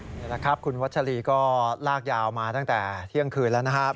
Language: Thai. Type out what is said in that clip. นี่แหละครับคุณวัชรีก็ลากยาวมาตั้งแต่เที่ยงคืนแล้วนะครับ